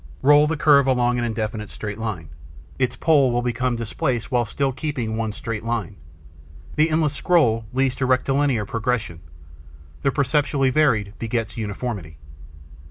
Roll the curve along an indefinite straight line. Its pole will become displaced while still keeping on one straight line. The endless scroll leads to rectilinear progression; the perpetually varied begets uniformity.